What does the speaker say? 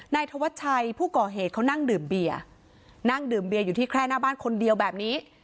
นายธวัชชัยผู้ก่อเหตุเขานั่งดื่มเบียร์นั่งดื่มเบียอยู่ที่แค่หน้าบ้านคนเดียวแบบนี้